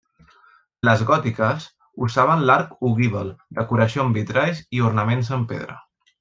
Les gòtiques usaven l'arc ogival, decoració amb vitralls i ornaments en pedra.